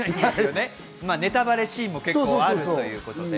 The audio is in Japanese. ネタバレシーンもあるということで。